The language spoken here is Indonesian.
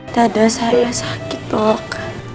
dadah saya sakit dok